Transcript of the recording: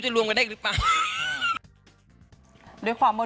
เจอกัน